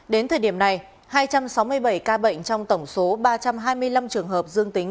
đến thời điểm này hai trăm sáu mươi bảy ca bệnh trong tổng số ba trăm hai mươi năm trường hợp dương tính